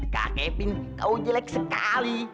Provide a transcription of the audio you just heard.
kak kevin kau jelek sekali